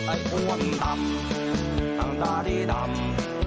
ไอ้อ้วนดำตาดี้ดำ